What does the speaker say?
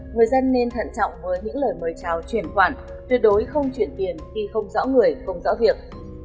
người dân nên thận trọng với những lời mời chào chuyển khoản tuyệt đối không chuyển tiền khi không rõ người không rõ việc